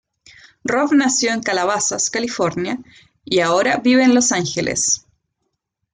Rob nació en Calabasas, California y ahora vive en Los Ángeles.